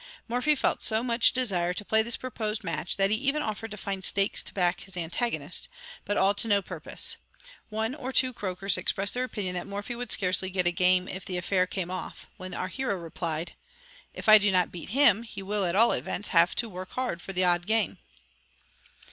Morphy felt so much desire to play this proposed match, that he even offered to find stakes to back his antagonist, but all to no purpose. One or two croakers expressed their opinion that Morphy would scarcely get a game if the affair came off, when our hero replied "If I do not beat him, he will at all events have to work hard for the odd game."